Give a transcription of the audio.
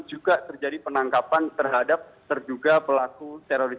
juga terjadi penangkapan terhadap terduga pelaku teroris